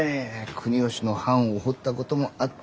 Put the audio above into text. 国芳の版を彫ったこともあった。